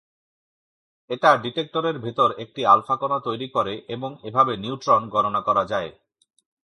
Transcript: এটি ডিটেক্টরের ভিতরে একটি আলফা কণা তৈরি করে এবং এভাবে নিউট্রন গণনা করা যায়।